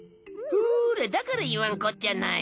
ほらだから言わんこっちゃない。